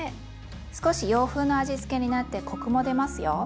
少し洋風の味付けになってコクも出ますよ。